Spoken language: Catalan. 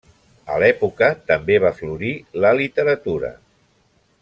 A l'època també va florir la literatura.